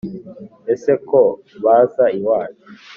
ese ko baza iwacu